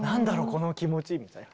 この気持ち」みたいな。